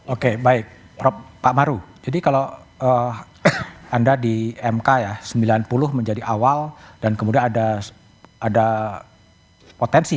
oke baik pak maru jadi kalau anda di mk ya sembilan puluh menjadi awal dan kemudian ada potensi